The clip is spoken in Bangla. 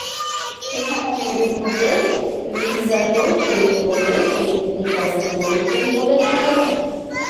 সেখানে অন্যদের মধ্যে নিবরাসও ছিলেন বলে তিনি জিজ্ঞাসাবাদে বলেছেন বলে জানা গেছে।